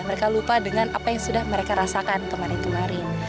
mereka lupa dengan apa yang sudah mereka rasakan kemarin kemarin